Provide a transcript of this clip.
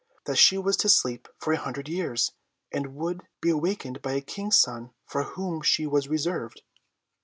That she was to sleep for a hundred years, and would be awakened by a King's son for whom she was reserved."